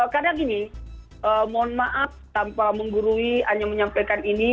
karena gini mohon maaf tanpa menggurui hanya menyampaikan ini